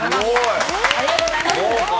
ありがとうございます。